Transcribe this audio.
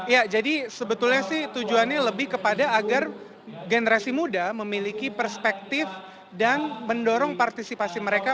ya jadi sebetulnya sih tujuannya lebih kepada agar generasi muda memiliki perspektif dan mendorong partisipasi mereka